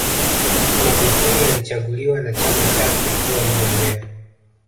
magufuli alichaguliwa na chama chake kuwa mgombea